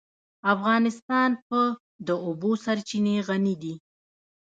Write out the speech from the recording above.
افغانستان په د اوبو سرچینې غني دی.